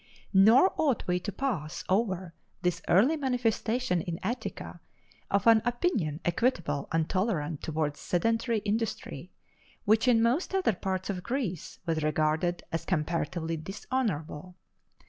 Nor ought we to pass over this early manifestation in Attica of an opinion equitable and tolerant toward sedentary industry, which in most other parts of Greece was regarded as comparatively dishonorable.